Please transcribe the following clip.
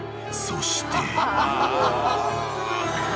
［そして］